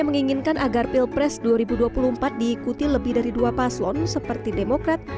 menginginkan agar pilpres dua ribu dua puluh empat diikuti lebih dari dua paslon seperti demokrat